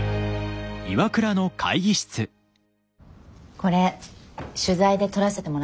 これ取材で撮らせてもらった写真。